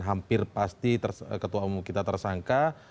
hampir pasti ketua umum kita tersangka